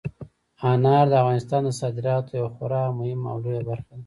انار د افغانستان د صادراتو یوه خورا مهمه او لویه برخه ده.